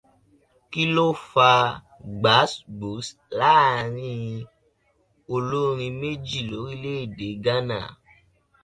Kí ló fa gbás-gbòs láàrín olórin méjì lórílẹ̀èdè Gánà?